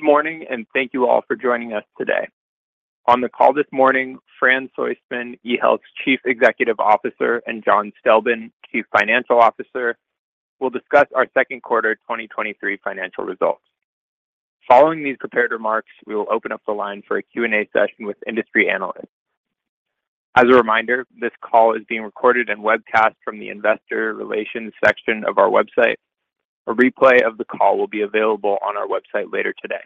Good morning, thank you all for joining us today. On the call this morning, Fran Soistman, eHealth's Chief Executive Officer, and John Stelben, Chief Financial Officer, will discuss our second quarter 2023 financial results. Following these prepared remarks, we will open up the line for a Q&A session with industry analysts. As a reminder, this call is being recorded and webcast from the investor relations section of our website. A replay of the call will be available on our website later today.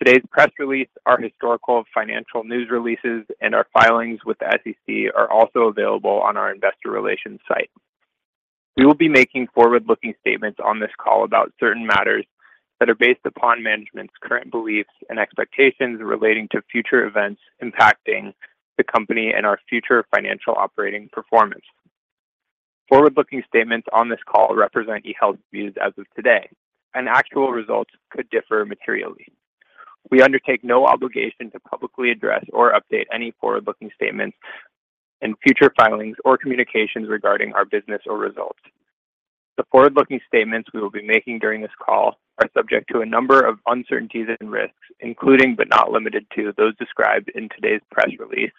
Today's press release, our historical financial news releases, and our filings with the SEC are also available on our investor relations site. We will be making forward-looking statements on this call about certain matters that are based upon management's current beliefs and expectations relating to future events impacting the company and our future financial operating performance. Forward-looking statements on this call represent eHealth's views as of today, and actual results could differ materially. We undertake no obligation to publicly address or update any forward-looking statements in future filings or communications regarding our business or results. The forward-looking statements we will be making during this call are subject to a number of uncertainties and risks, including, but not limited to, those described in today's press release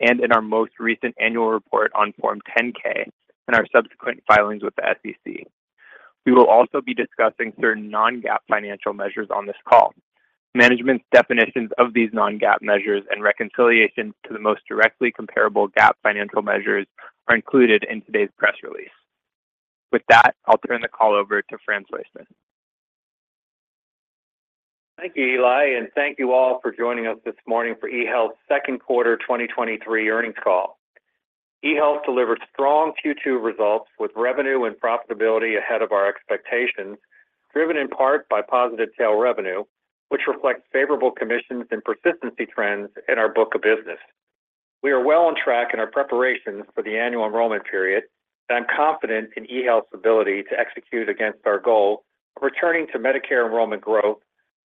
and in our most recent annual report on Form 10-K and our subsequent filings with the SEC. We will also be discussing certain non-GAAP financial measures on this call. Management's definitions of these non-GAAP measures and reconciliation to the most directly comparable GAAP financial measures are included in today's press release. With that, I'll turn the call over to Fran Soistman. Thank you, Eli, thank you all for joining us this morning for eHealth's second quarter 2023 earnings call. eHealth delivered strong Q2 results with revenue and profitability ahead of our expectations, driven in part by positive Tail Revenue, which reflects favorable commissions and persistency trends in our book of business. We are well on track in our preparations for the Annual Enrollment Period, and I'm confident in eHealth's ability to execute against our goal of returning to Medicare enrollment growth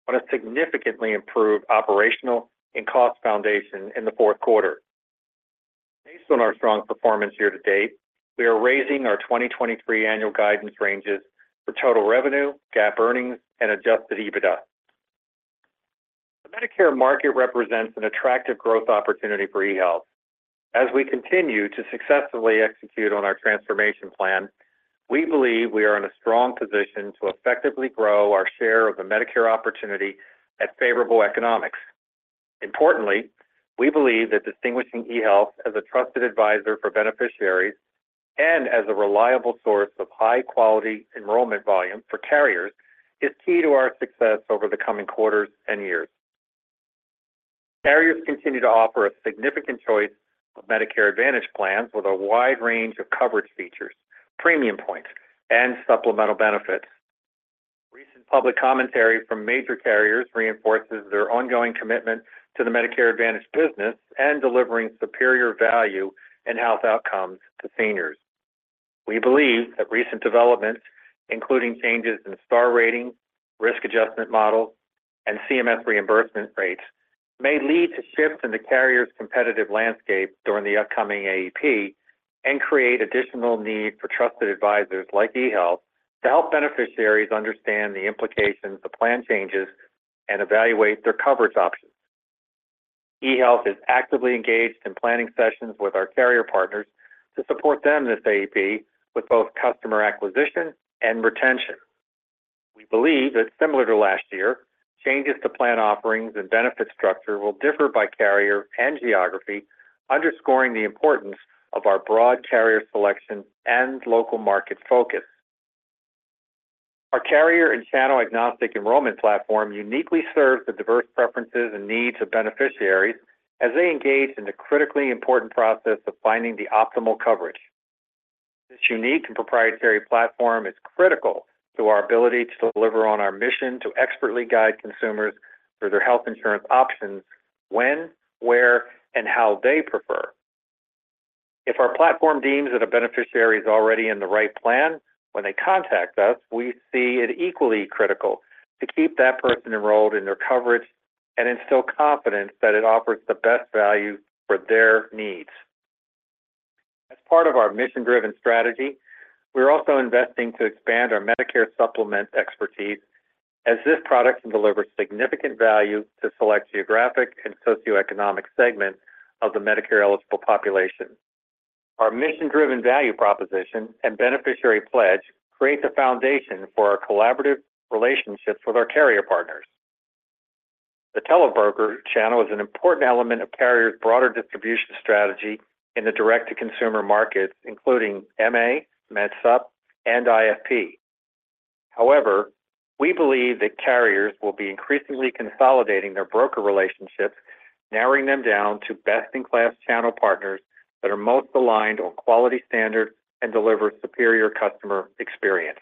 on a significantly improved operational and cost foundation in the fourth quarter. Based on our strong performance year to date, we are raising our 2023 annual guidance ranges for total revenue, GAAP earnings, and Adjusted EBITDA. The Medicare market represents an attractive growth opportunity for eHealth. As we continue to successfully execute on our transformation plan, we believe we are in a strong position to effectively grow our share of the Medicare opportunity at favorable economics. Importantly, we believe that distinguishing eHealth as a trusted advisor for beneficiaries and as a reliable source of high-quality enrollment volume for carriers is key to our success over the coming quarters and years. Carriers continue to offer a significant choice of Medicare Advantage plans with a wide range of coverage features, premium points, and supplemental benefits. Recent public commentary from major carriers reinforces their ongoing commitment to the Medicare Advantage business and delivering superior value and health outcomes to seniors. We believe that recent developments, including changes in Star Ratings, risk adjustment models, and CMS reimbursement rates, may lead to shifts in the carrier's competitive landscape during the upcoming AEP and create additional need for trusted advisors like eHealth to help beneficiaries understand the implications of plan changes and evaluate their coverage options. eHealth is actively engaged in planning sessions with our carrier partners to support them this AEP with both customer acquisition and retention. We believe that similar to last year, changes to plan offerings and benefit structure will differ by carrier and geography, underscoring the importance of our broad carrier selection and local market focus. Our carrier and channel agnostic enrollment platform uniquely serves the diverse preferences and needs of beneficiaries as they engage in the critically important process of finding the optimal coverage. This unique and proprietary platform is critical to our ability to deliver on our mission to expertly guide consumers through their health insurance options when, where, and how they prefer. If our platform deems that a beneficiary is already in the right plan when they contact us, we see it equally critical to keep that person enrolled in their coverage and instill confidence that it offers the best value for their needs. As part of our mission-driven strategy, we're also investing to expand our Medicare Supplement expertise as this product can deliver significant value to select geographic and socioeconomic segments of the Medicare-eligible population. Our mission-driven value proposition and beneficiary pledge creates a foundation for our collaborative relationships with our carrier partners. The telebroker channel is an important element of carriers' broader distribution strategy in the direct-to-consumer markets, including MA, MedSup, and IFP. However, we believe that carriers will be increasingly consolidating their broker relationships, narrowing them down to best-in-class channel partners that are most aligned on quality standards and deliver superior customer experience.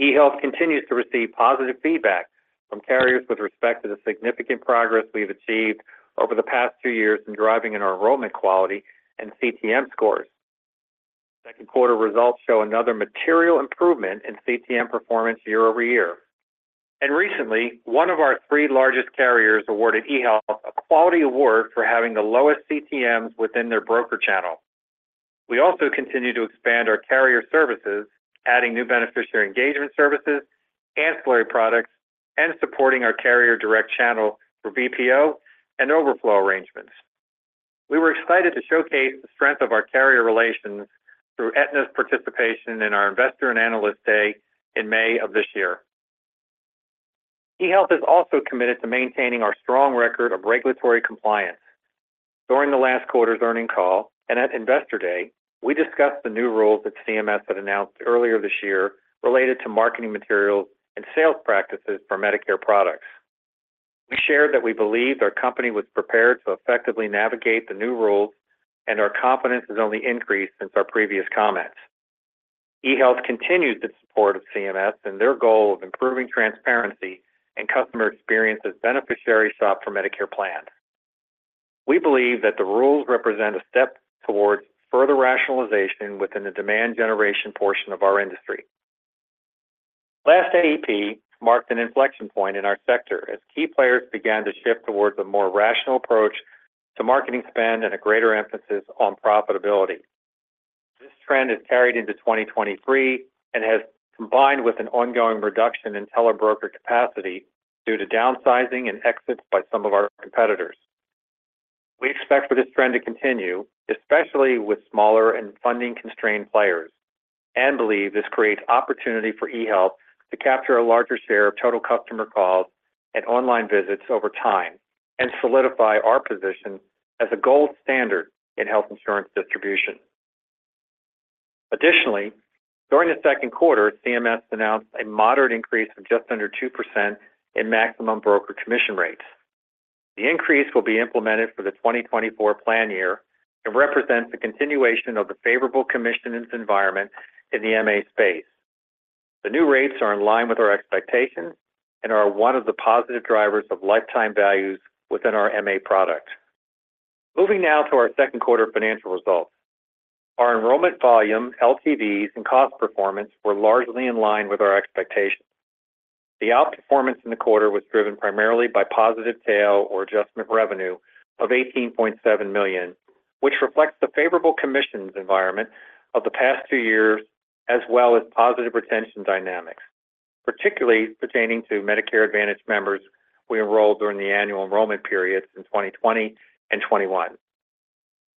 eHealth continues to receive positive feedback from carriers with respect to the significant progress we've achieved over the past two years in driving in our enrollment quality and CTM Scores. Second quarter results show another material improvement in CTM performance year-over-year, and recently, one of our three largest carriers awarded eHealth a quality award for having the lowest CTMs within their broker channel. We also continue to expand our carrier services, adding new beneficiary engagement services, ancillary products, and supporting our carrier direct channel for VPO and overflow arrangements. We were excited to showcase the strength of our carrier relations through Aetna's participation in our Investor and Analyst Day in May of this year. eHealth is also committed to maintaining our strong record of regulatory compliance. During the last Quarter's Earnings Call and at Investor Day, we discussed the new rules that CMS had announced earlier this year related to marketing materials and sales practices for Medicare products. We shared that we believed our company was prepared to effectively navigate the new rules, and our confidence has only increased since our previous comments. eHealth continues to support CMS and their goal of improving transparency and customer experience as beneficiaries shop for Medicare plans. We believe that the rules represent a step towards further rationalization within the demand generation portion of our industry. Last AEP marked an inflection point in our sector as key players began to shift towards a more rational approach to marketing spend and a greater emphasis on profitability. This trend has carried into 2023 and has combined with an ongoing reduction in telebroker capacity due to downsizing and exits by some of our competitors. We expect for this trend to continue, especially with smaller and funding-constrained players, and believe this creates opportunity for eHealth to capture a larger share of total customer calls and online visits over time, and solidify our position as a gold standard in health insurance distribution. Additionally, during the second quarter, CMS announced a moderate increase of just under 2% in maximum broker commission rates. The increase will be implemented for the 2024 plan year and represents a continuation of the favorable commissioning environment in the MA space. The new rates are in line with our expectations and are one of the positive drivers of Lifetime Values within our MA products. Moving now to our second quarter financial results. Our enrollment volume, LTVs, and cost performance were largely in line with our expectations. The outperformance in the quarter was driven primarily by positive tail or adjustment revenue of $18.7 million, which reflects the favorable commissions environment of the past two years, as well as positive retention dynamics, particularly pertaining to Medicare Advantage members we enrolled during the Annual Enrollment Periods in 2020 and 2021.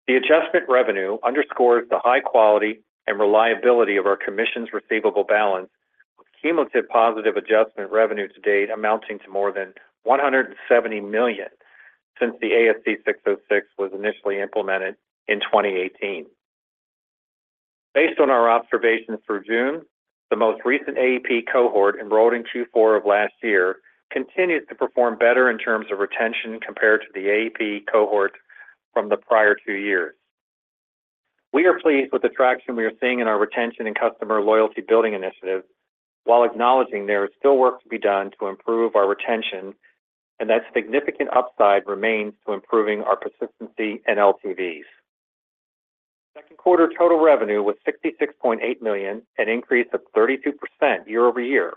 The adjustment revenue underscores the high quality and reliability of our Commissions Receivable balance, with cumulative positive adjustment revenue to date amounting to more than $170 million since the ASC 606 was initially implemented in 2018. Based on our observations through June, the most recent AEP cohort enrolled in Q4 of last year continued to perform better in terms of retention compared to the AEP cohort from the prior two years. We are pleased with the traction we are seeing in our retention and customer loyalty building initiatives, while acknowledging there is still work to be done to improve our retention, and that significant upside remains to improving our persistency and LTVs. Second quarter total revenue was $66.8 million, an increase of 32% year-over-year.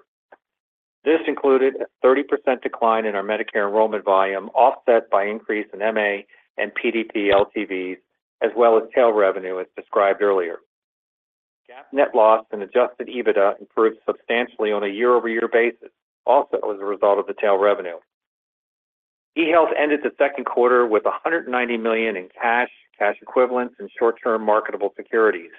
This included a 30% decline in our Medicare enrollment volume, offset by increase in MA and PDP LTVs, as well as Tail Revenue as described earlier. GAAP net loss and Adjusted EBITDA improved substantially on a year-over-year basis, also as a result of the Tail Revenue. eHealth ended the second quarter with $190 million in cash, cash equivalents, and short-term marketable securities.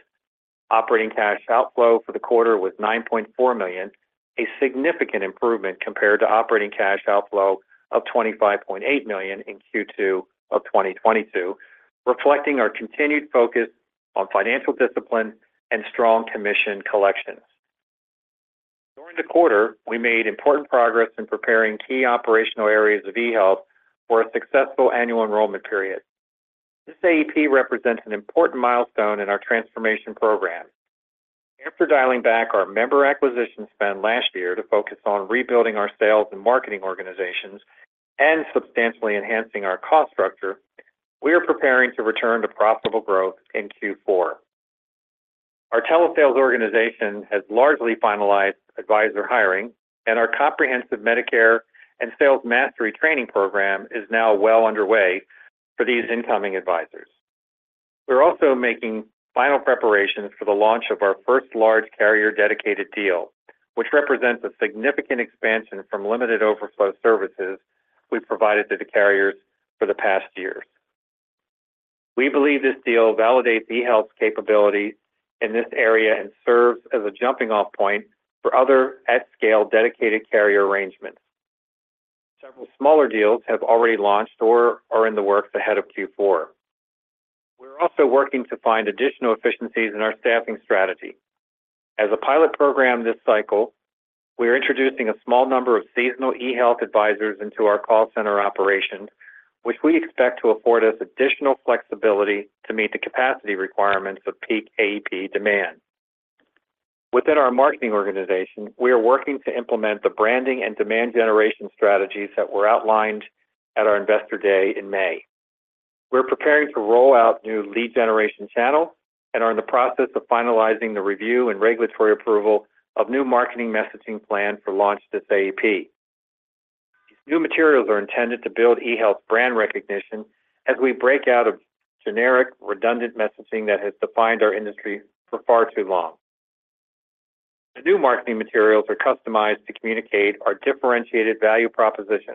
Operating cash outflow for the quarter was $9.4 million, a significant improvement compared to operating cash outflow of $25.8 million in Q2 of 2022, reflecting our continued focus on financial discipline and strong commission collections. During the quarter, we made important progress in preparing key operational areas of eHealth for a successful Annual Enrollment Period. This AEP represents an important milestone in our transformation program. After dialing back our member acquisition spend last year to focus on rebuilding our sales and marketing organizations and substantially enhancing our cost structure, we are preparing to return to profitable growth in Q4. Our telesales organization has largely finalized advisor hiring, and our comprehensive Medicare and sales mastery training program is now well underway for these incoming advisors. We're also making final preparations for the launch of our first large carrier-dedicated deal, which represents a significant expansion from limited overflow services we've provided to the carriers for the past years. We believe this deal validates eHealth's capabilities in this area and serves as a jumping-off point for other at-scale dedicated carrier arrangements. Several smaller deals have already launched or are in the works ahead of Q4. We're also working to find additional efficiencies in our staffing strategy. As a pilot program this cycle, we are introducing a small number of seasonal eHealth advisors into our call center operation, which we expect to afford us additional flexibility to meet the capacity requirements of peak AEP demand. Within our marketing organization, we are working to implement the branding and demand generation strategies that were outlined at our Investor Day in May. We're preparing to roll out new lead generation channels and are in the process of finalizing the review and regulatory approval of new marketing messaging plan for launch this AEP. New materials are intended to build eHealth brand recognition as we break out of generic, redundant messaging that has defined our industry for far too long. The new marketing materials are customized to communicate our differentiated value proposition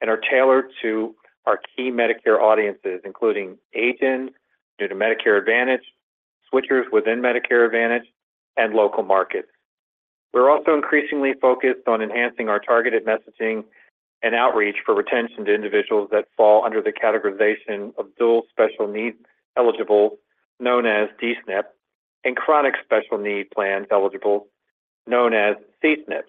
and are tailored to our key Medicare audiences, including agents new to Medicare Advantage, switchers within Medicare Advantage, and local markets. We're also increasingly focused on enhancing our targeted messaging and outreach for retention to individuals that fall under the categorization of Dual Special Needs Eligible, known as D-SNP, and Chronic Special Need Plan Eligible, known as C-SNP.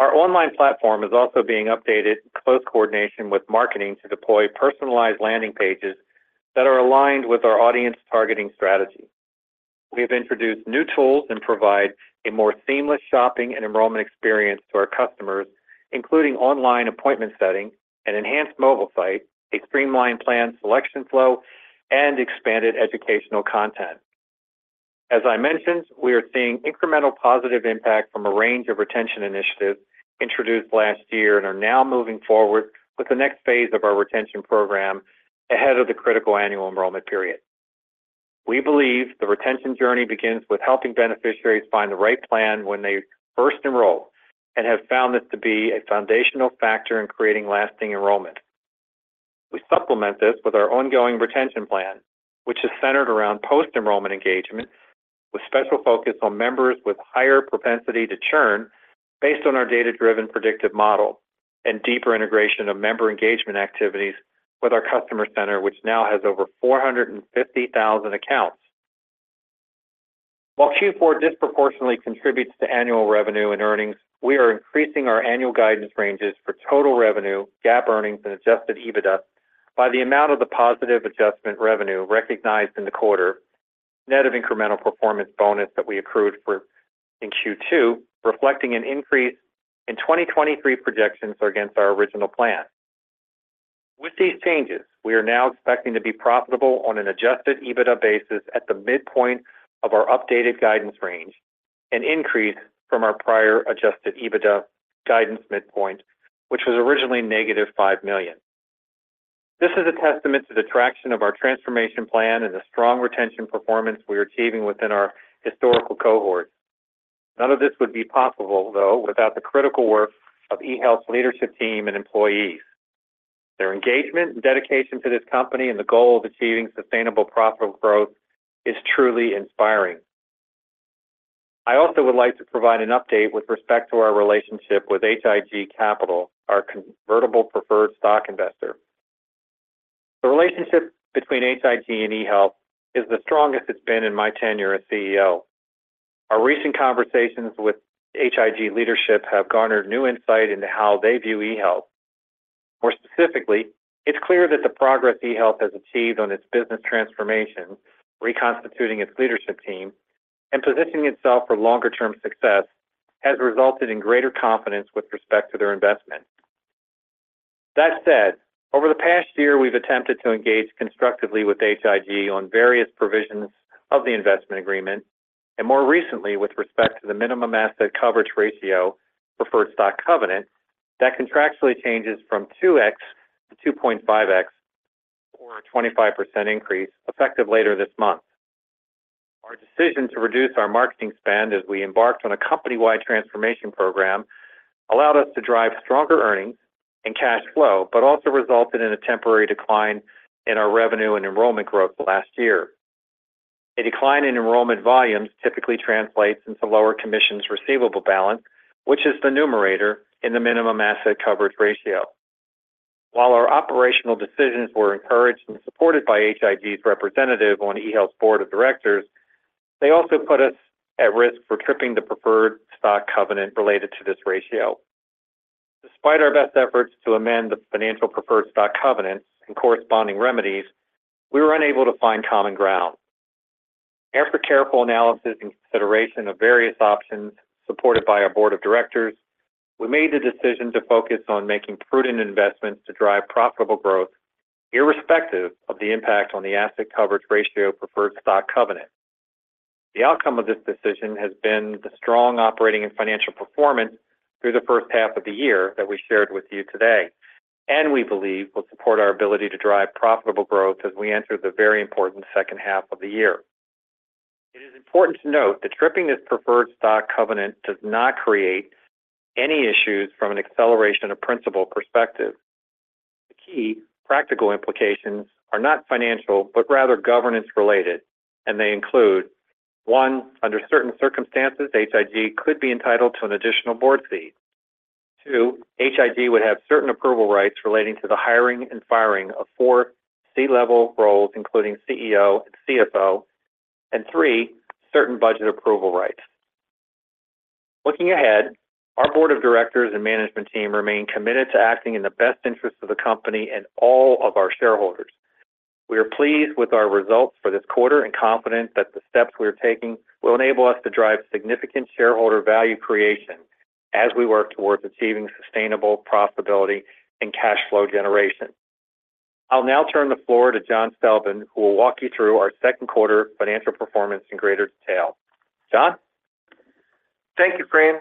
Our online platform is also being updated in close coordination with marketing to deploy personalized landing pages that are aligned with our audience targeting strategy. We have introduced new tools and provide a more seamless shopping and enrollment experience to our customers, including online appointment setting, an enhanced mobile site, a streamlined plan selection flow, and expanded educational content. As I mentioned, we are seeing incremental positive impact from a range of retention initiatives introduced last year and are now moving forward with the next phase of our retention program ahead of the critical Annual Enrollment Period. We believe the retention journey begins with helping beneficiaries find the right plan when they first enroll and have found this to be a foundational factor in creating lasting enrollment. We supplement this with our ongoing retention plan, which is centered around post-enrollment engagement, with special focus on members with higher propensity to churn based on our data-driven predictive model and deeper integration of member engagement activities with our customer center, which now has over 450,000 accounts. While Q4 disproportionately contributes to annual revenue and earnings, we are increasing our annual guidance ranges for total revenue, GAAP earnings, and Adjusted EBITDA by the amount of the positive adjustment revenue recognized in the quarter, net of incremental performance bonus that we accrued for in Q2, reflecting an increase in 2023 projections against our original plan. With these changes, we are now expecting to be profitable on an Adjusted EBITDA basis at the midpoint of our updated guidance range, an increase from our prior Adjusted EBITDA guidance midpoint, which was originally -$5 million. This is a testament to the traction of our transformation plan and the strong retention performance we are achieving within our historical cohorts. None of this would be possible, though, without the critical work of eHealth's leadership team and employees. Their engagement and dedication to this company and the goal of achieving sustainable profitable growth is truly inspiring. I also would like to provide an update with respect to our relationship with H.I.G. Capital, our convertible preferred stock investor. The relationship between H.I.G. and eHealth is the strongest it's been in my tenure as CEO. Our recent conversations with H.I.G. leadership have garnered new insight into how they view eHealth. More specifically, it's clear that the progress eHealth has achieved on its business transformation, reconstituting its leadership team, and positioning itself for longer-term success, has resulted in greater confidence with respect to their investment. That said, over the past year, we've attempted to engage constructively with H.I.G. on various provisions of the investment agreement, and more recently, with respect to the minimum asset coverage ratio, preferred stock covenant, that contractually changes from 2x to 2.5x, or a 25% increase, effective later this month. Our decision to reduce our marketing spend as we embarked on a company-wide transformation program allowed us to drive stronger earnings and cash flow, but also resulted in a temporary decline in our revenue and enrollment growth last year. A decline in enrollment volumes typically translates into lower Commissions Receivable balance, which is the numerator in the minimum asset coverage ratio. While our operational decisions were encouraged and supported by H.I.G.'s representative on eHealth's board of directors, they also put us at risk for tripping the preferred stock covenant related to this ratio. Despite our best efforts to amend the financial preferred stock covenant and corresponding remedies, we were unable to find common ground. After careful analysis and consideration of various options supported by our board of directors, we made the decision to focus on making prudent investments to drive profitable growth, irrespective of the impact on the asset coverage ratio preferred stock covenant. The outcome of this decision has been the strong operating and financial performance through the first half of the year that we shared with you today, and we believe will support our ability to drive profitable growth as we enter the very important second half of the year. It is important to note that tripping this preferred stock covenant does not create any issues from an acceleration of principal perspective. The key practical implications are not financial, but rather governance-related, and they include: One, under certain circumstances, HIG could be entitled to an additional board seat. Two, H.I.G would have certain approval rights relating to the hiring and firing of four C-level roles, including CEO and CFO. Three, certain budget approval rights. Looking ahead, our board of directors and management team remain committed to acting in the best interest of the company and all of our shareholders. We are pleased with our results for this quarter and confident that the steps we are taking will enable us to drive significant shareholder value creation as we work towards achieving sustainable profitability and cash flow generation. I'll now turn the floor to John Stelben, who will walk you through our second quarter financial performance in greater detail. John? Thank you, Fran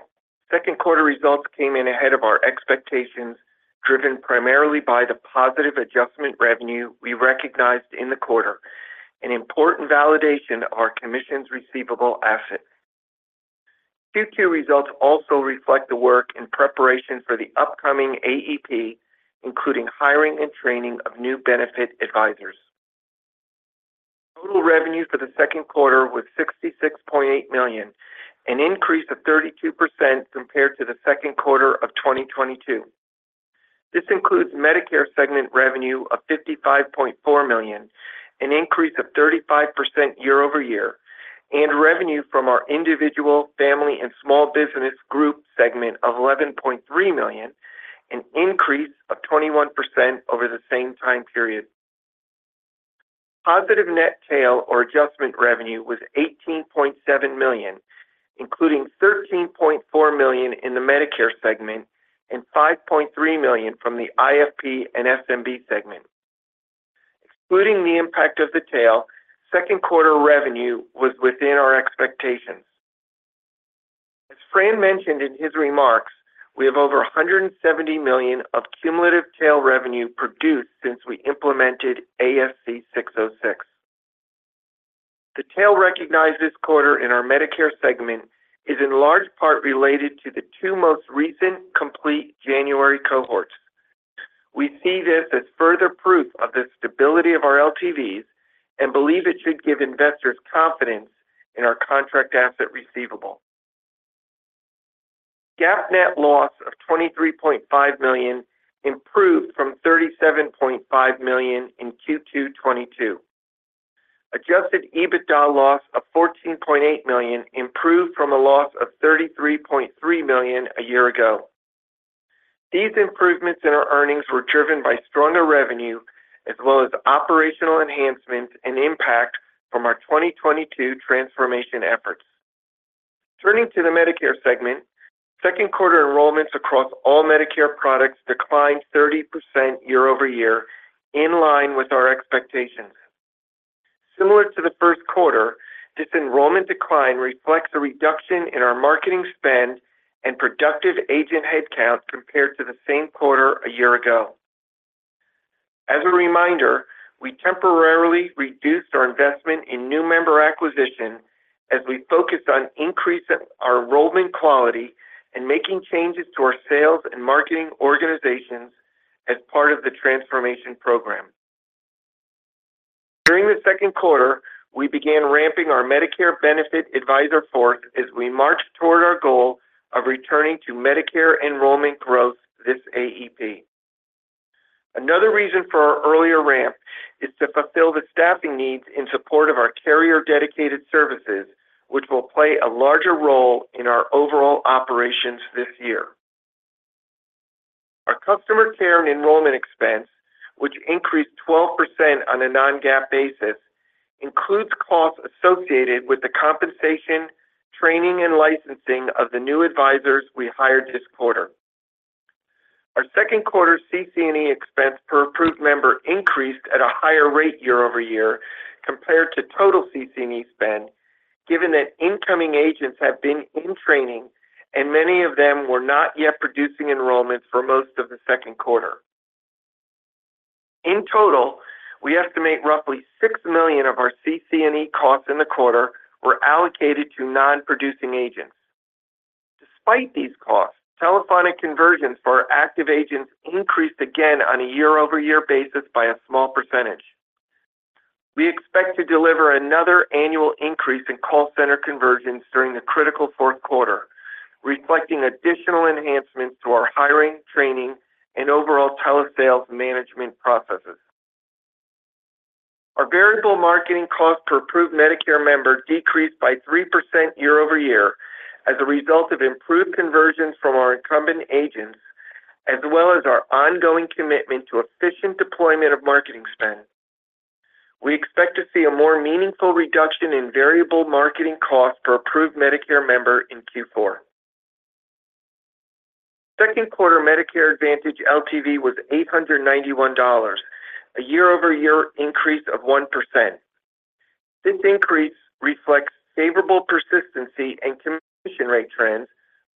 second quarter results came in ahead of our expectations, driven primarily by the positive adjustment revenue we recognized in the quarter, an important validation of our Commissions Receivable asset. Q2 results also reflect the work and preparation for the upcoming AEP, including hiring and training of new benefit advisors. Total revenue for the second quarter was $66.8 million, an increase of 32% compared to the second quarter of 2022. This includes Medicare segment revenue of $55.4 million, an increase of 35% year-over-year, and revenue from our individual, family, and small business group segment of $11.3 million, an increase of 21% over the same time period. Positive net tail or adjustment revenue was $18.7 million, including $13.4 million in the Medicare segment and $5.3 million from the IFP and SMB segment. Excluding the impact of the tail, second quarter revenue was within our expectations. As Fran mentioned in his remarks, we have over $170 million of cumulative Tail Revenue produced since we implemented ASC 606. The tail recognized this quarter in our Medicare segment is in large part related to the two most recent complete January cohorts. We see this as further proof of the stability of our LTVs and believe it should give investors confidence in our contract asset receivable. GAAP net loss of $23.5 million improved from $37.5 million in Q2 2022. Adjusted EBITDA loss of $14.8 million improved from a loss of $33.3 million a year ago. These improvements in our earnings were driven by stronger revenue, as well as operational enhancements and impact from our 2022 transformation efforts. Turning to the Medicare segment, second quarter enrollments across all Medicare products declined 30% year-over-year, in line with our expectations. Similar to the first quarter, this enrollment decline reflects a reduction in our marketing spend and productive agent headcount compared to the same quarter a year ago. As a reminder, we temporarily reduced our investment in new member acquisition as we focus on increasing our enrollment quality and making changes to our sales and marketing organizations as part of the transformation program. During the second quarter, we began ramping our Medicare Benefit Advisor force as we march toward our goal of returning to Medicare enrollment growth this AEP. Another reason for our earlier ramp is to fulfill the staffing needs in support of our carrier-dedicated services, which will play a larger role in our overall operations this year. Our customer care and enrollment expense, which increased 12% on a non-GAAP basis, includes costs associated with the compensation, training, and licensing of the new advisors we hired this quarter. Our second quarter CC&E expense per approved member increased at a higher rate year-over-year compared to total CC&E spend, given that incoming agents have been in training and many of them were not yet producing enrollments for most of the second quarter. In total, we estimate roughly $6 million of our CC&E costs in the quarter were allocated to non-producing agents. Despite these costs, telephonic conversions for our active agents increased again on a year-over-year basis by a small percentage. We expect to deliver another annual increase in call center conversions during the critical fourth quarter, reflecting additional enhancements to our hiring, training, and overall telesales management processes. Our variable marketing cost per approved Medicare member decreased by 3% year-over-year as a result of improved conversions from our incumbent agents, as well as our ongoing commitment to efficient deployment of marketing spend. We expect to see a more meaningful reduction in variable marketing costs per approved Medicare member in Q4. Second quarter Medicare Advantage LTV was $891, a year-over-year increase of 1%. This increase reflects favorable persistency and commission rate trends,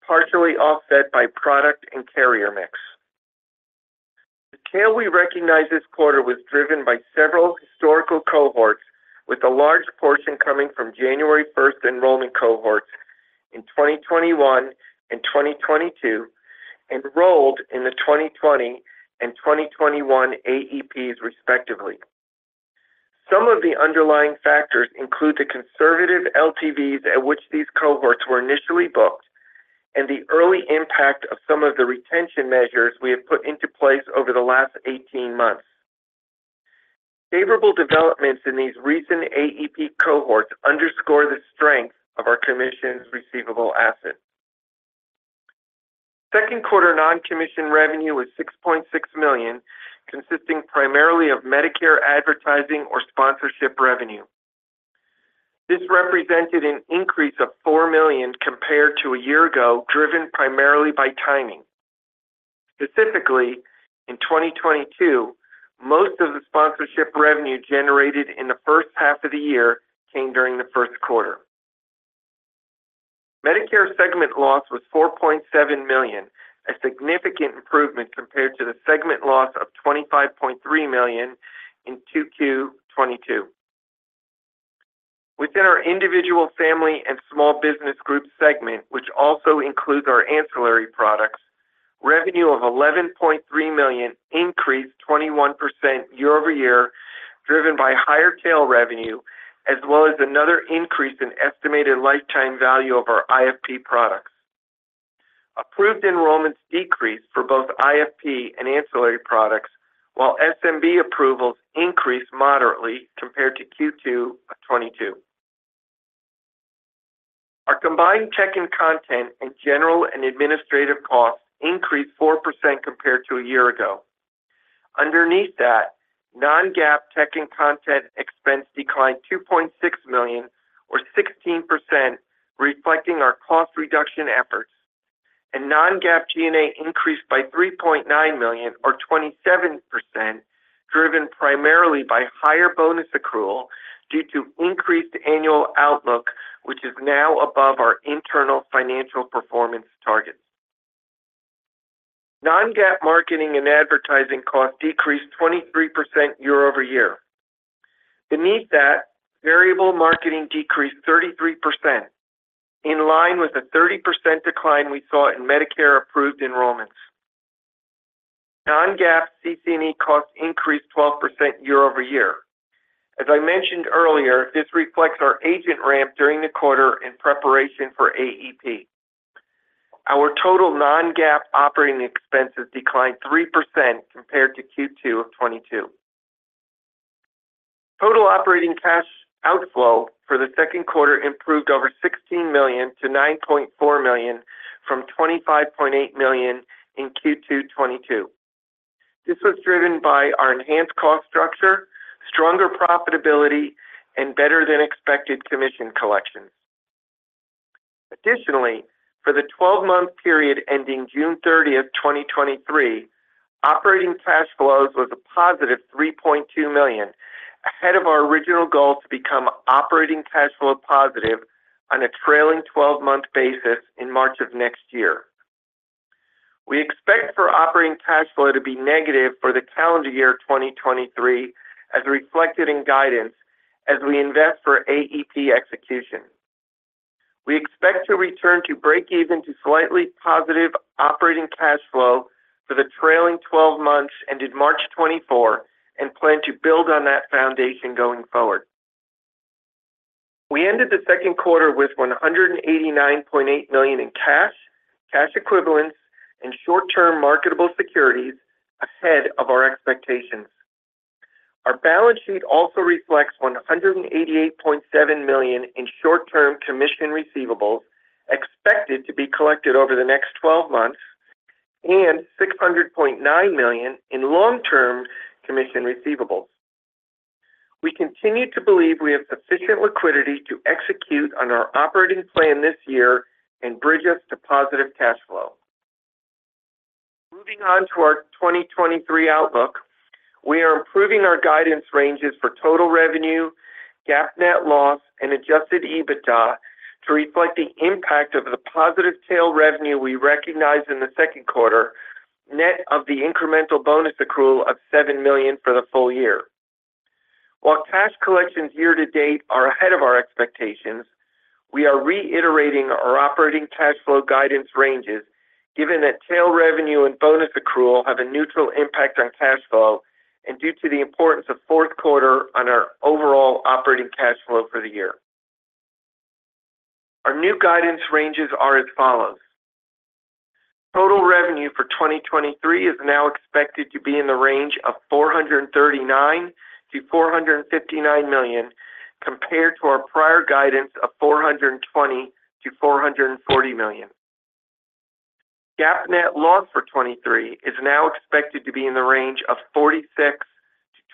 partially offset by product and carrier mix. The tail we recognized this quarter was driven by several historical cohorts, with a large portion coming from January 1st enrollment cohorts in 2021 and 2022, enrolled in the 2020 and 2021 AEPs, respectively. Some of the underlying factors include the conservative LTVs at which these cohorts were initially booked and the early impact of some of the retention measures we have put into place over the last 18 months. Favorable developments in these recent AEP cohorts underscore the strength of our Commissions Receivable asset. Second quarter non-Commission Revenue was $6.6 million, consisting primarily of Medicare advertising or sponsorship revenue. This represented an increase of $4 million compared to a year ago, driven primarily by timing. Specifically, in 2022, most of the sponsorship revenue generated in the first half of the year came during the first quarter. Medicare segment loss was $4.7 million, a significant improvement compared to the segment loss of $25.3 million in 2Q 2022. Within our individual family and small business group segment, which also includes our ancillary products, revenue of $11.3 million increased 21% year-over-year, driven by higher Tail Revenue, as well as another increase in estimated Lifetime Value of our IFP products. Approved enrollments decreased for both IFP and ancillary products, while SMB approvals increased moderately compared to Q2 2022. Our combined tech and content and general and administrative costs increased 4% compared to a year ago. Underneath that, non-GAAP tech and content expense declined $2.6 million, or 16%, reflecting our cost reduction efforts, and non-GAAP G&A increased by $3.9 million, or 27%, driven primarily by higher bonus accrual due to increased annual outlook, which is now above our internal financial performance targets. Non-GAAP marketing and advertising costs decreased 23% year-over-year. Beneath that, variable marketing decreased 33%, in line with the 30% decline we saw in Medicare approved enrollments. Non-GAAP CC&E costs increased 12% year-over-year. As I mentioned earlier, this reflects our agent ramp during the quarter in preparation for AEP. Our total non-GAAP operating expenses declined 3% compared to Q2 of 2022. Total operating cash outflow for the second quarter improved over $16 million to $9.4 million from $25.8 million in Q2 2022. This was driven by our enhanced cost structure, stronger profitability, and better than expected commission collections. Additionally, for the 12-month period ending June 30th 2023, operating cash flows was a +$3.2 million, ahead of our original goal to become operating cash flow positive on a trailing 12-month basis in March of next year. We expect for operating cash flow to be negative for the calendar year 2023, as reflected in guidance as we invest for AEP execution. We expect to return to breakeven to slightly positive operating cash flow for the trailing 12 months, ended March 2024, and plan to build on that foundation going forward. We ended the second quarter with $189.8 million in cash, cash equivalents, and short-term marketable securities ahead of our expectations. Our balance sheet also reflects $188.7 million in short-term Commissions Receivable, expected to be collected over the next 12 months, and $600.9 million in long-term Commissions Receivable. We continue to believe we have sufficient liquidity to execute on our operating plan this year and bridge us to positive cash flow. Moving on to our 2023 outlook, we are improving our guidance ranges for total revenue, GAAP net loss, and Adjusted EBITDA to reflect the impact of the positive Tail Revenue we recognized in the second quarter, net of the incremental bonus accrual of $7 million for the full year. While cash collections year to date are ahead of our expectations, we are reiterating our operating cash flow guidance ranges, given that Tail Revenue and bonus accrual have a neutral impact on cash flow and due to the importance of fourth quarter on our overall operating cash flow for the year. Our new guidance ranges are as follows: Total revenue for 2023 is now expected to be in the range of $439 million-$459 million, compared to our prior guidance of $420 million-$440 million. GAAP net loss for 2023 is now expected to be in the range of $46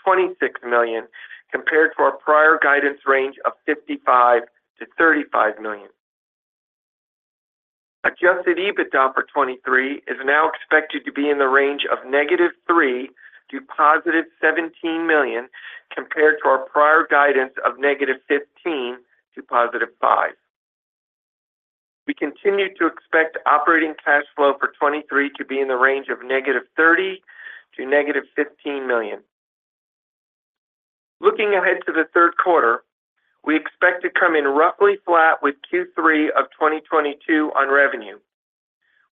million-$26 million, compared to our prior guidance range of $55 million-$35 million. Adjusted EBITDA for 2023 is now expected to be in the range of -$3 million to +$17 million, compared to our prior guidance of -$15 million to +$5 million. We continue to expect operating cash flow for 2023 to be in the range of -$30 million to -$15 million. Looking ahead to the third quarter, we expect to come in roughly flat with Q3 of 2022 on revenue.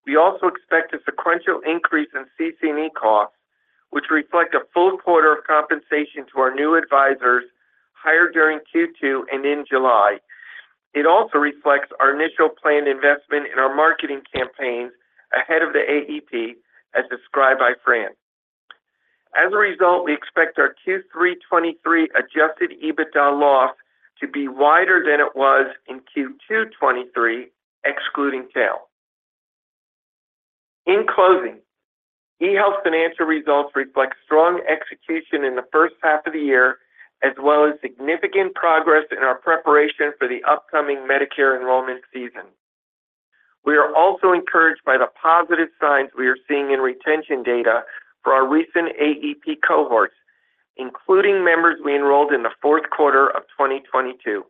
We also expect a sequential increase in CC&E costs, which reflect a full quarter of compensation to our new advisors hired during Q2 and in July. It also reflects our initial planned investment in our marketing campaigns ahead of the AEP, as described by Fran. As a result, we expect our Q3 2023 Adjusted EBITDA loss to be wider than it was in Q2 2023, excluding tail. In closing, eHealth's financial results reflect strong execution in the first half of the year, as well as significant progress in our preparation for the upcoming Medicare enrollment season. We are also encouraged by the positive signs we are seeing in retention data for our recent AEP cohorts, including members we enrolled in the fourth quarter of 2022.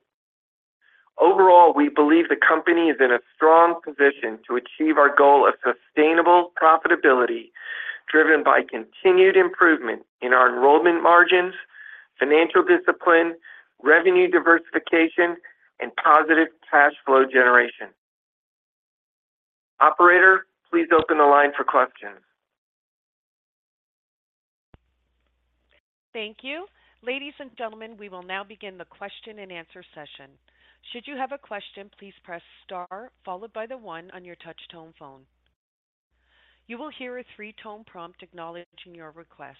Overall, we believe the company is in a strong position to achieve our goal of sustainable profitability, driven by continued improvement in our enrollment margins, financial discipline, revenue diversification, and positive cash flow generation. Operator, please open the line for questions. Thank you. Ladies and gentlemen, we will now begin the question and answer session. Should you have a question, please press star, followed by the one on your touch-tone phone. You will hear a three-tone prompt acknowledging your request.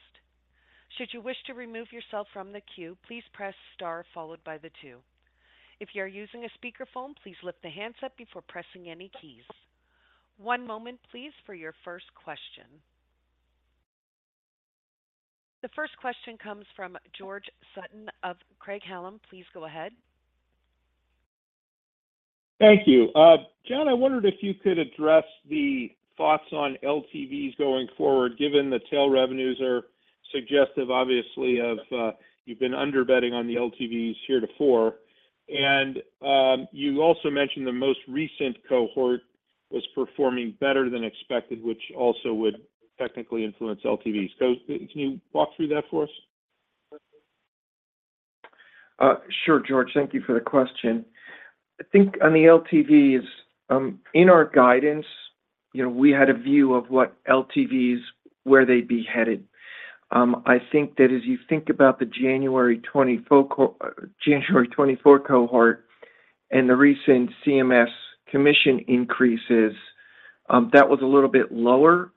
Should you wish to remove yourself from the queue, please press star followed by the two. If you are using a speakerphone, please lift the handset before pressing any keys. One moment, please, for your first question. The first question comes from George Sutton of Craig-Hallum. Please go ahead. Thank you. John I wondered if you could address the thoughts on LTVs going forward, given the Tail Revenues are suggestive, obviously, of, you've been under betting on the LTVs here before. You also mentioned the most recent cohort was performing better than expected, which also would technically influence LTVs. Can you walk through that for us? Sure, George thank you for the question. I think on the LTVs, in our guidance, you know, we had a view of what LTVs, where they'd be headed. I think that as you think about the January 2024 cohort and the recent CMS commission increases, that was a little bit lower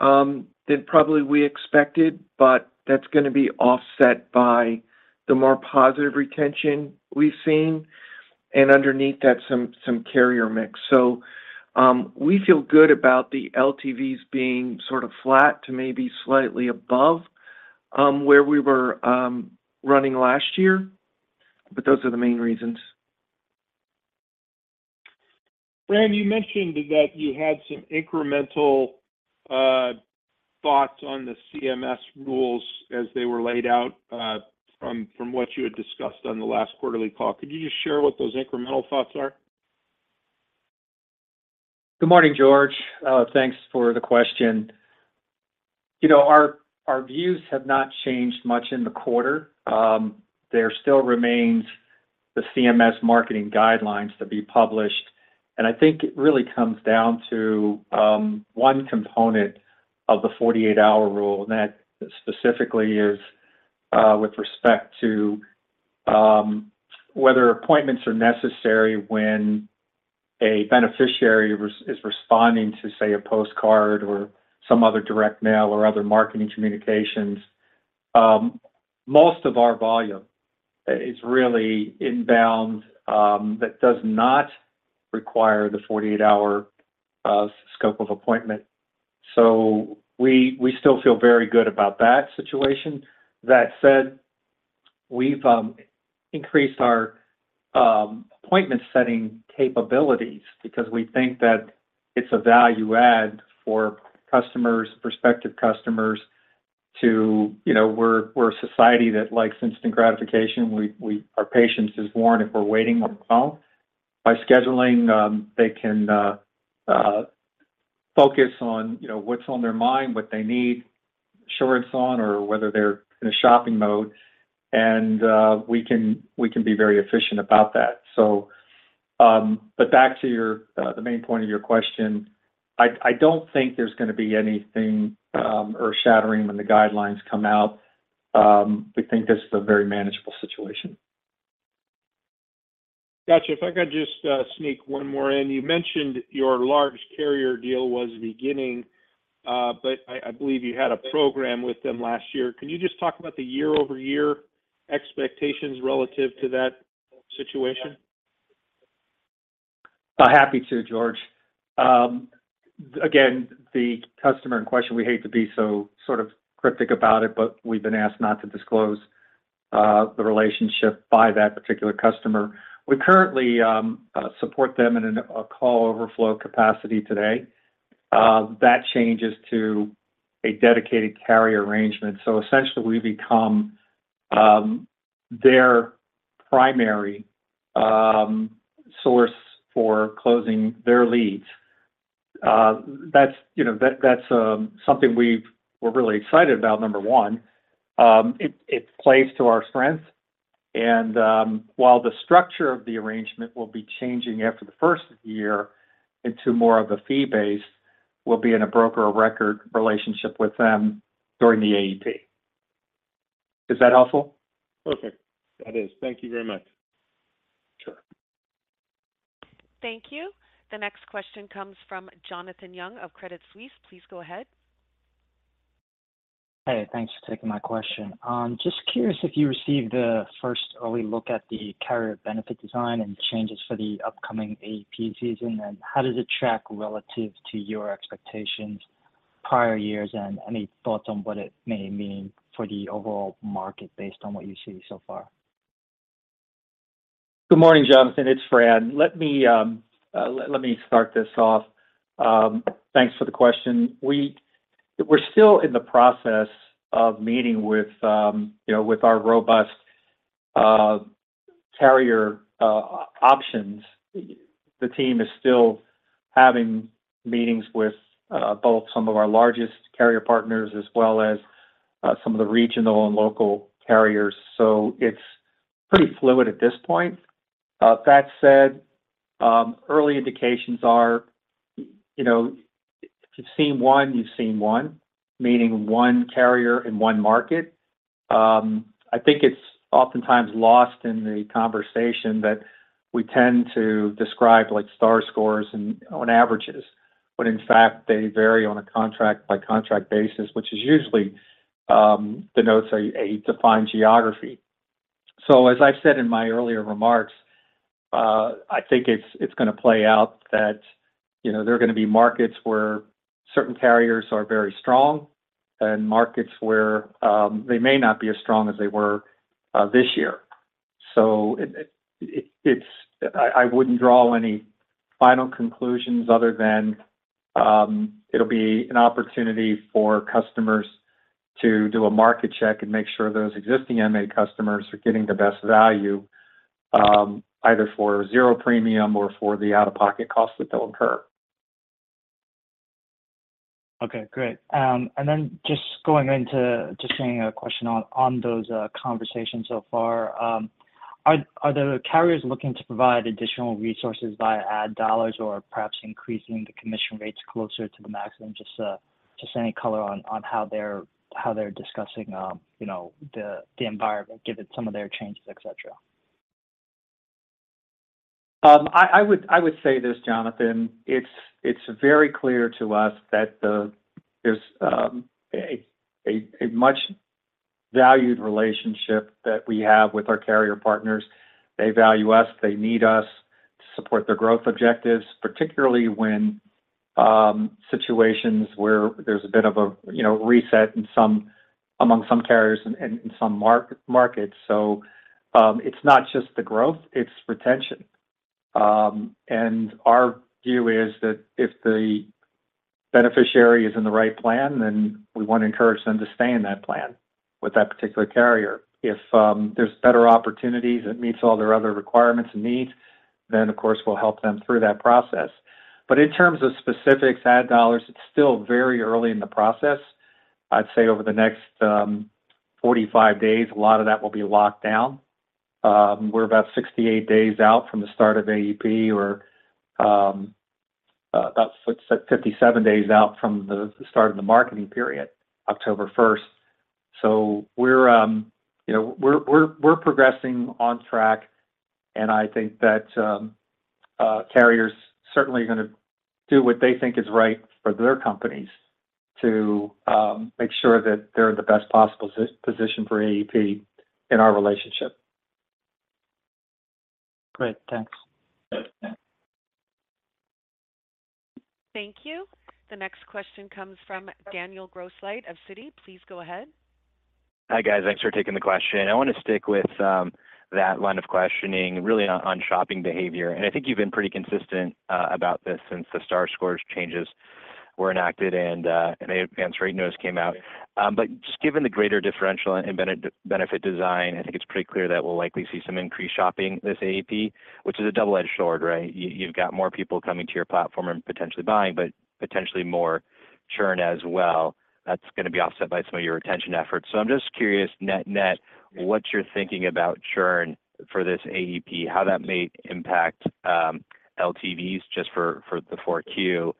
than probably we expected, that's going to be offset by the more positive retention we've seen, and underneath that, some, some carrier mix. We feel good about the LTVs being sort of flat to maybe slightly above, where we were running last year. Those are the main reasons. Fran, you mentioned that you had some incremental thoughts on the CMS rules as they were laid out from, from what you had discussed on the last quarterly call. Could you just share what those incremental thoughts are? Good morning, George. Thanks for the question. You know, our views have not changed much in the quarter. There still remains the CMS marketing guidelines to be published, and I think it really comes down to one component of the 48-hour rule, and that specifically is with respect to whether appointments are necessary when a beneficiary is responding to, say, a postcard or some other direct mail or other marketing communications. Most of our volume is really inbound, that does not require the 48-hour scope of appointment, so we still feel very good about that situation. That said, we've increased our appointment setting capabilities because we think that it's a value add for customers, prospective customers to. You know, we're a society that likes instant gratification. Our patience is worn if we're waiting on call. By scheduling, they can focus on, you know, what's on their mind, what they need insurance on, or whether they're in a shopping mode, and we can, we can be very efficient about that. Back to your the main point of your question, I, I don't think there's going to be anything earth-shattering when the guidelines come out. We think this is a very manageable situation. Got you. If I could just sneak one more in. You mentioned your large carrier deal was beginning. I, I believe you had a program with them last year. Can you just talk about the year-over-year expectations relative to that situation? Happy to, George again the customer in question, we hate to be so sort of cryptic about it, but we've been asked not to disclose the relationship by that particular customer. We currently support them in a call overflow capacity today. That changes to a dedicated carrier arrangement. Essentially, we become their primary source for closing their leads. That's, you know, that, that's something we're really excited about, number one. It, it plays to our strengths and while the structure of the arrangement will be changing after the first year into more of a fee base, we'll be in a broker of record relationship with them during the AEP. Is that helpful? Perfect. That is. Thank you very much. Sure. Thank you. The next question comes from Jonathan Young of Credit Suisse. Please go ahead. Hey, thanks for taking my question. Just curious if you received the first early look at the carrier benefit design and changes for the upcoming AEP season, and how does it track relative to your expectations prior years? Any thoughts on what it may mean for the overall market based on what you see so far? Good morning, Jonathan it's Fran. Let me, let me start this off. Thanks for the question. We-- we're still in the process of meeting with, you know, with our robust carrier options. The team is still having meetings with both some of our largest carrier partners as well as some of the regional and local carriers. It's pretty fluid at this point. That said, early indications are, you know, if you've seen one, you've seen one, meaning one carrier in one market. I think it's oftentimes lost in the conversation that we tend to describe, like, Star Ratings and on averages, but in fact, they vary on a contract-by-contract basis, which is usually denotes a defined geography. As I've said in my earlier remarks, I think it's, it's gonna play out that, you know, there are gonna be markets where certain carriers are very strong and markets where they may not be as strong as they were this year. I, I wouldn't draw any final conclusions other than it'll be an opportunity for customers to do a market check and make sure those existing MA customers are getting the best value either for 0 premium or for the out-of-pocket costs that they'll incur. Okay great. Just going into conversations so far, are the carriers looking to provide additional resources via ad dollars or perhaps increasing the commission rates closer to the maximum? Just any color on how they're discussing, you know, the environment, given some of their changes. I would say this, Jonathan, it's very clear to us that the... there's a much valued relationship that we have with our carrier partners. They value us, they need us to support their growth objectives, particularly when situations where there's a bit of a, you know, reset among some carriers and in some markets. It's not just the growth, it's retention. And our view is that if the beneficiary is in the right plan, then we want to encourage them to stay in that plan with that particular carrier. If there's better opportunities, it meets all their other requirements and needs, then, of course, we'll help them through that process. In terms of specific ad dollars, it's still very early in the process. I'd say over the next 45 days, a lot of that will be locked down. We're about 68 days out from the start of AEP, or about 57 days out from the start of the marketing period, October 1st. We're, you know, we're, we're, we're progressing on track, and I think that carriers certainly are gonna do what they think is right for their companies to make sure that they're in the best possible pos- position for AEP in our relationship. Great. Thanks. Yeah. Thank you. The next question comes from Daniel Grosslight of Citi. Please go ahead. H guys. Thanks for taking the question. I want to stick with that line of questioning, really on, on shopping behavior. I think you've been pretty consistent about this since the star scores changes were enacted and Advance rate notice came out. Just given the greater differential in benefit design, I think it's pretty clear that we'll likely see some increased shopping this AEP, which is a double-edged sword, right? You, you've got more people coming to your platform and potentially buying, but potentially more churn as well. That's gonna be offset by some of your retention efforts. I'm just curious, net-net, what you're thinking about churn for this AEP, how that may impact LTVs just for, for the 4Q?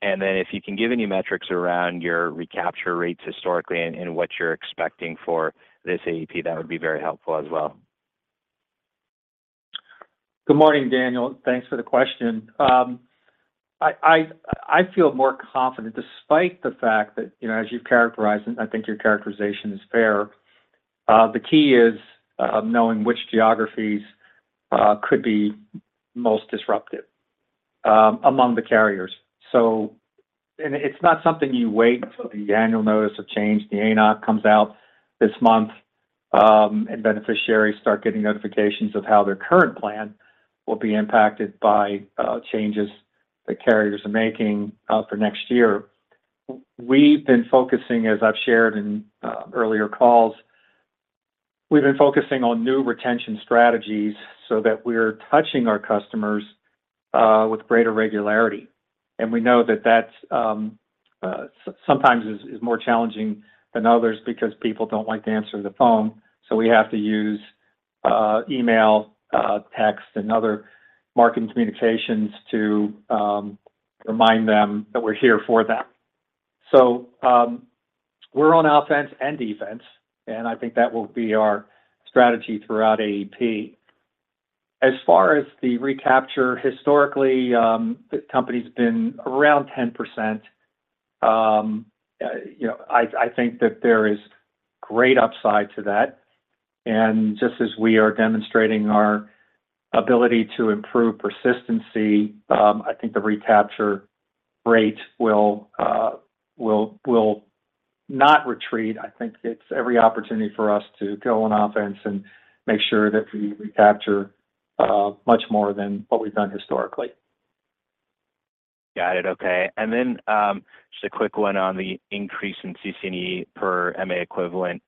If you can give any metrics around your recapture rates historically and, and what you're expecting for this AEP, that would be very helpful as well. Good morning, Daniel thanks for the question. I feel more confident despite the fact that, you know, as you've characterized, I think your characterization is fair. The key is knowing which geographies could be most disruptive among the carriers. It's not something you wait until the annual notice of change, the ANOC, comes out this month, and beneficiaries start getting notifications of how their current plan will be impacted by changes that carriers are making for next year. We've been focusing, as I've shared in earlier calls, we've been focusing on new retention strategies so that we're touching our customers with greater regularity. We know that that's sometimes is, is more challenging than others because people don't like to answer the phone, so we have to use email, text, and other marketing communications to remind them that we're here for them. We're on offense and defense, and I think that will be our strategy throughout AEP. As far as the recapture, historically, the company's been around 10%. You know, I, I think that there is great upside to that, and just as we are demonstrating our ability to improve persistency, I think the recapture rate will not retreat. I think it's every opportunity for us to go on offense and make sure that we recapture much more than what we've done historically. Got it. Okay then just a quick one on the increase in CC&E per MA equivalent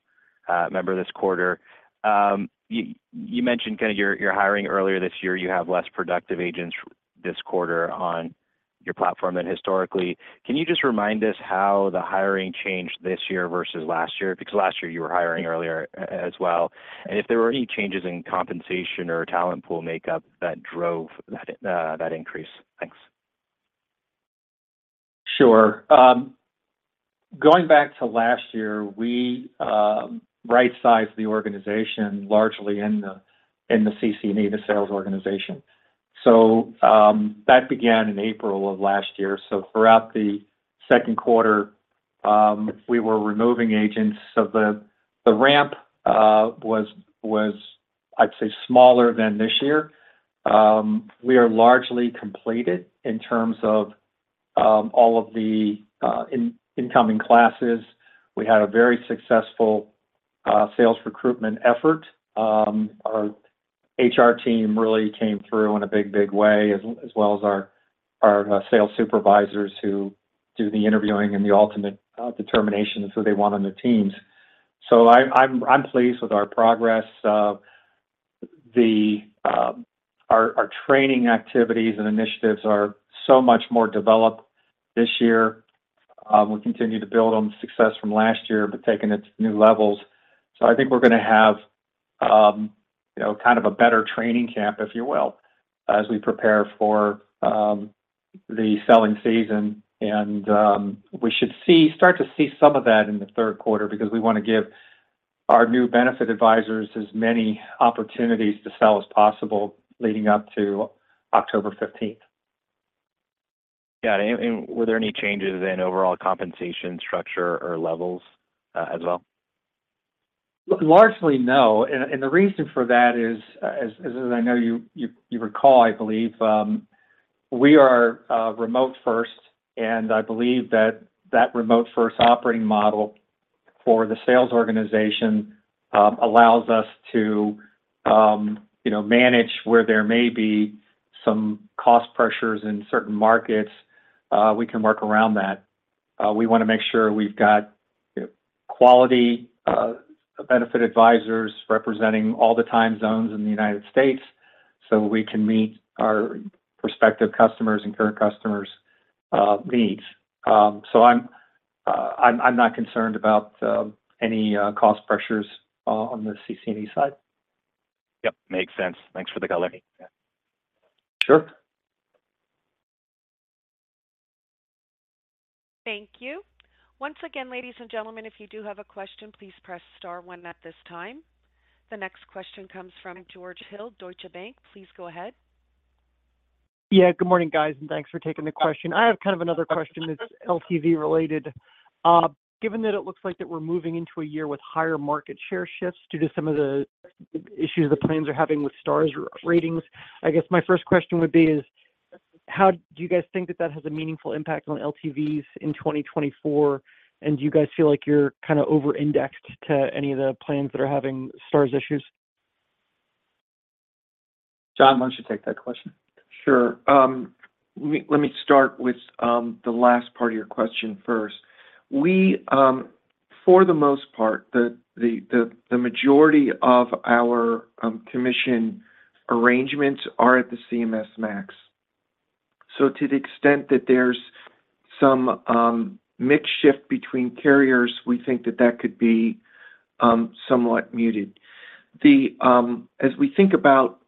member this quarter. You, you mentioned kind of your, you're hiring earlier this year, you have less productive agents this quarter on your platform than historically. Can you just remind us how the hiring changed this year versus last year? Because last year you were hiring earlier, as well, and if there were any changes in compensation or talent pool makeup that drove that increase. Thanks. Sure, going back to last year, we right-sized the organization largely in the CC&E, the sales organization. That began in April of last year. Throughout the second quarter, we were removing agents. The, the ramp was, was, I'd say, smaller than this year. We are largely completed in terms of all of the in-incoming classes. We had a very successful sales recruitment effort. Our HR team really came through in a big, big way, as, as well as our, our sales supervisors who do the interviewing and the ultimate determination of who they want on their teams. I'm pleased with our progress. The, our training activities and initiatives are so much more developed this year. We continue to build on the success from last year, but taking it to new levels. I think we're gonna have, you know, kind of a better training camp, if you will, as we prepare for the selling season. We should see-- start to see some of that in the third quarter because we wanna give our new benefit advisors as many opportunities to sell as possible leading up to October 15th. Got it. And were there any changes in overall compensation structure or levels as well? Largely, no and the reason for that is, as I know you, you, you recall, I believe, we are remote first, and I believe that that remote first operating model for the sales organization, allows us to, you know, manage where there may be some cost pressures in certain markets, we can work around that. We wanna make sure we've got quality benefit advisors representing all the time zones in the United States, so we can meet our prospective customers' and current customers' needs. I'm not concerned about any cost pressures on the CC&E side. Yep, makes sense. Thanks for the clarity. Yeah. Sure. Thank you. Once again, ladies and gentlemen, if you do have a question, please press star one at this time. The next question comes from George Hill, Deutsche Bank. Please go ahead. Yeah, good morning guys, and thanks for taking the question. I have kind of another question that's LTV related. Given that it looks like that we're moving into a year with higher market share shifts due to some of the issues the plans are having with Star Ratings, I guess my first question would be is: How do you guys think that that has a meaningful impact on LTVs in 2024? Do you guys feel like you're kind of over-indexed to any of the plans that are having Star issues? John, why don't you take that question? Sure. let me start with the last part of your question first. We, for the most part, the, the, the, the majority of our commission arrangements are at the CMS max. To the extent that there's some mix shift between carriers, we think that that could be somewhat muted. As we think about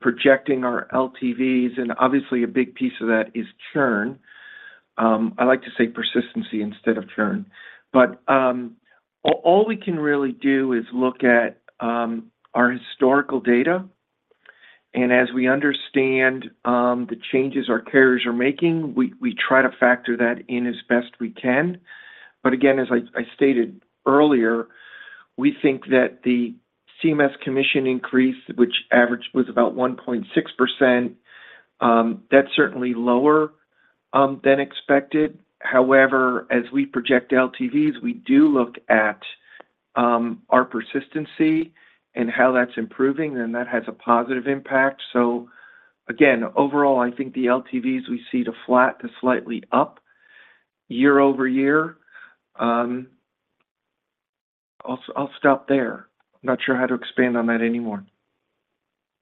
projecting our LTVs, and obviously, a big piece of that is churn, I like to say Persistency instead of churn, but all, all we can really do is look at our historical data, and as we understand the changes our carriers are making, we, we try to factor that in as best we can. Again, as I stated earlier, we think that the CMS commission increase, which average was about 1.6%, that's certainly lower than expected. However, as we project LTVs, we do look at our persistency and how that's improving, and that has a positive impact. Again, overall, I think the LTVs we see to flat to slightly up year-over-year. I'll, I'll stop there. Not sure how to expand on that anymore.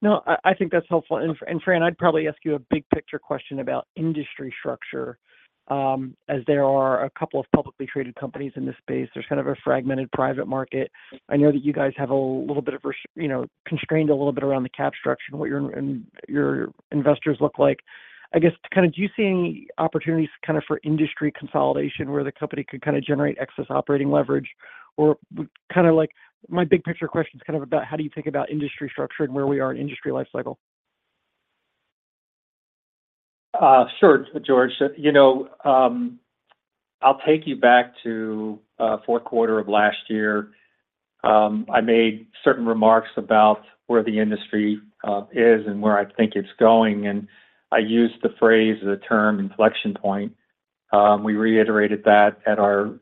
No, I, I think that's helpful. Fran, I'd probably ask you a big picture question about industry structure. As there are a couple of publicly traded companies in this space, there's kind of a fragmented private market. I know that you guys have a little bit of you know, constrained a little bit around the cap structure and what your, and your investors look like. I guess, kind of do you see any opportunities kind of for industry consolidation, where the company could kind of generate excess operating leverage? kind of like, my big picture question is kind of about how do you think about industry structure and where we are in industry life cycle? Sure, George you know, I'll take you back to fourth quarter of last year. I made certain remarks about where the industry is and where I think it's going, I used the phrase, the term inflection point. We reiterated that at our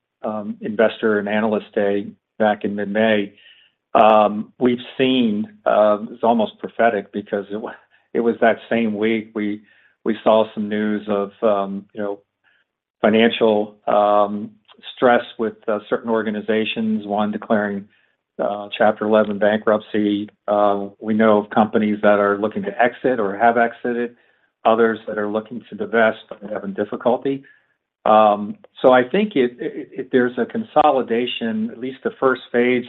investor and analyst day back in mid-May. We've seen t's almost prophetic because it was that same week, we saw some news of, you know, financial stress with certain organizations, one declaring Chapter 11 bankruptcy. We know of companies that are looking to exit or have exited, others that are looking to divest, they're having difficulty. I think there's a consolidation, at least the first phase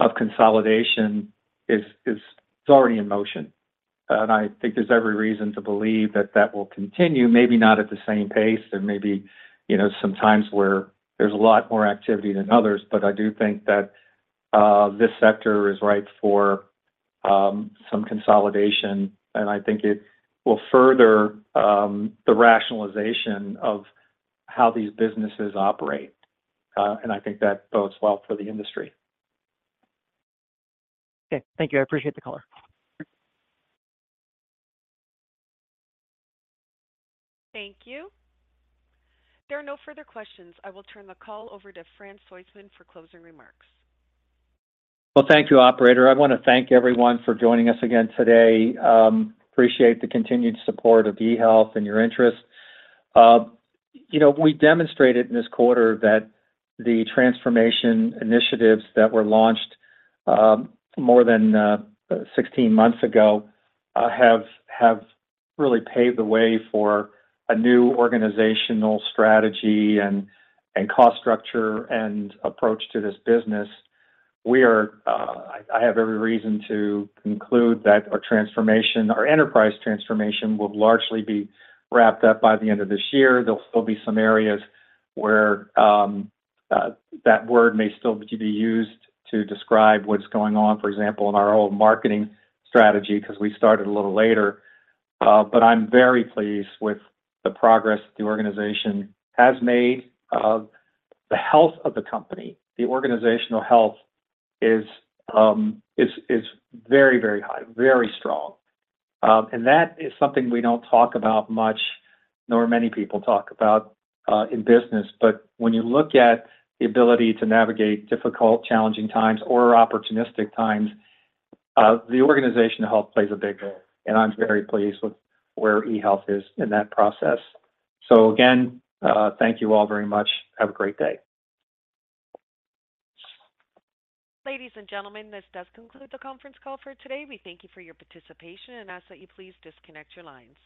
of consolidation, it's already in motion. I think there's every reason to believe that that will continue, maybe not at the same pace and maybe, you know, some times where there's a lot more activity than others. I do think that this sector is ripe for some consolidation, and I think it will further the rationalization of how these businesses operate, and I think that bodes well for the industry. Okay, thank you. I appreciate the call. Thank you. There are no further questions. I will turn the call over to Fran Soistman for closing remarks. Well, thank you, operator. I want to thank everyone for joining us again today. Appreciate the continued support of eHealth and your interest. You know, we demonstrated in this quarter that the transformation initiatives that were launched, more than 16 months ago, have, have really paved the way for a new organizational strategy and, and cost structure and approach to this business. We are, I have every reason to conclude that our transformation, our enterprise transformation, will largely be wrapped up by the end of this year. There'll still be some areas where that word may still be used to describe what's going on, for example, in our old marketing strategy, because we started a little later. I'm very pleased with the progress the organization has made. The health of the company, the organizational health is, is very, very high, very strong. That is something we don't talk about much, nor many people talk about, in business. When you look at the ability to navigate difficult, challenging times or opportunistic times, the organizational health plays a big role, and I'm very pleased with where eHealth is in that process. Again, thank you all very much. Have a great day. Ladies and gentlemen, this does conclude the conference call for today. We thank you for your participation and ask that you please disconnect your lines.